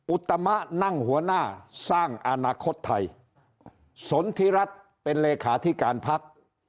อุตมะนั่งหัวหน้าสร้างอนาคตไทยสนทิรัฐเป็นเลขาธิการพัก